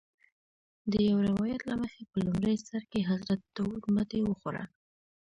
د یو روایت له مخې په لومړي سر کې حضرت داود ماتې وخوړه.